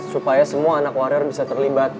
supaya semua anak warior bisa terlibat